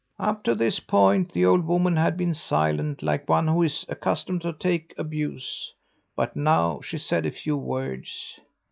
"Up to this point the old woman had been silent like one who is accustomed to take abuse but now she said a few words.